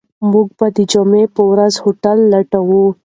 موږ به د جمعې په ورځ هوټل لټوو.